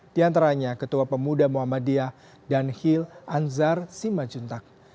diantaranya ketua pemuda muhammadiyah danhil anzar simajuntak